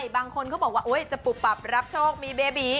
บางคนเขาบอกว่าจะปุบปับรับโชคมีเบบี